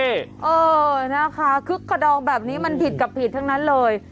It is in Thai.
เออนะคะคึกขนองแบบนี้มันผิดกับผิดทั้งนั้นเลย